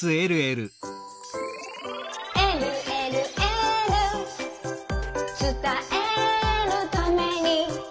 「えるえるエール」「つたえるために」